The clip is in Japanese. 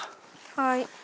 はい。